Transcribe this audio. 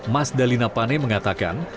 mas dalina pane mengatakan